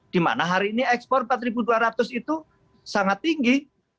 dimana hari ini ekspor empat ribu dua ratus itu sangat tinggi